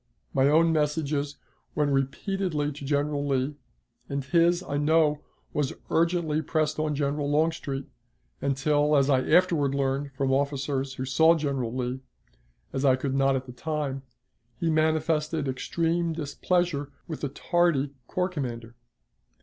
My own messages went repeatedly to General Lee, and his, I know, was urgently pressed on General Longstreet, until, as I afterward learned from officers who saw General Lee, as I could not at the time, he manifested extreme displeasure with the tardy corps commander.